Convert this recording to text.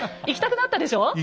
行きたくなったでしょ？